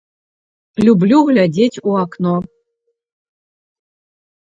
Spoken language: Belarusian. Люблю глядзець у акно.